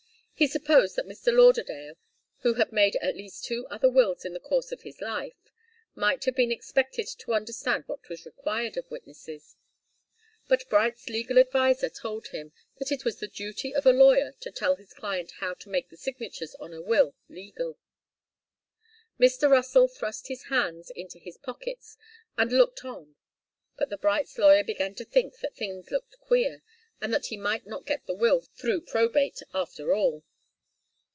He supposed that Mr. Lauderdale, who had made at least two other wills in the course of his life, might have been expected to understand what was required of witnesses. The Brights' legal adviser told him that it was the duty of a lawyer to tell his client how to make the signatures on a will legal. Mr. Russell thrust his hands into his pockets and looked on. But the Brights' lawyer began to think that things looked queer, and that he might not get the will through probate after all.